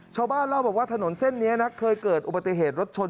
ชาวบ้านเล่าบอกว่าถนนเส้นนี้นะเคยเกิดอุบัติเหตุรถชน